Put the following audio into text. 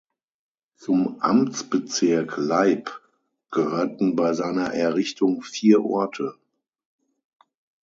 Zum Amtsbezirk Leip gehörten bei seiner Errichtung vier Orte.